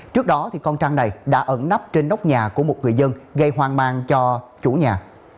trước đó con trang này đã ẩn nắp trên nóc nhà của một người dân gây hoang mang cho chủ nhà